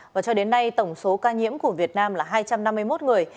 và cho đến nay tổng số ca nhiễm của việt nam là hai trăm năm mươi một người